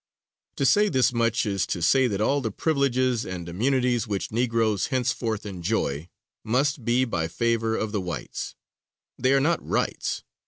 To say this much is to say that all the privileges and immunities which Negroes henceforth enjoy, must be by favor of the whites; they are not rights.